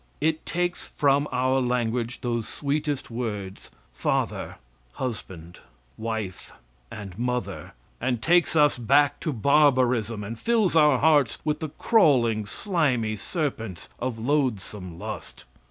It takes from our language those sweetest words, father, husband, wife, and mother, and takes us back to barbarism, and fills our hearts with the crawling, slimy serpents of loathsome lust.